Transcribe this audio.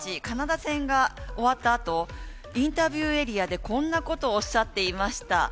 カナダ戦が終わったあとインタビューエリアでこんなことをおっしゃっていました。